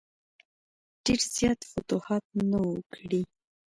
ډېر زیات فتوحات نه وه کړي.